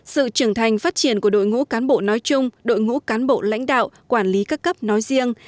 sự trưởng thành phát triển của đội ngũ cán bộ nói chung đội ngũ cán bộ lãnh đạo quản lý các cấp nói riêng